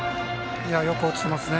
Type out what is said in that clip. よく落ちてますね。